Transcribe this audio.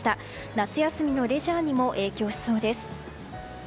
夏休みのレジャーにも影響しそうです。